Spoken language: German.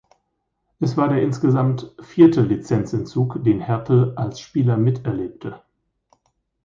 Es war der insgesamt vierte Lizenzentzug, den Härtel als Spieler miterlebte.